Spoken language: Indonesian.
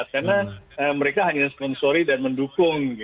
karena mereka hanya sponsori dan mendukung gitu